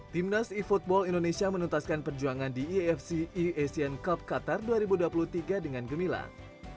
timnas seafootball indonesia menuntaskan perjuangan di efc e asian cup qatar dua ribu dua puluh tiga dengan gemilang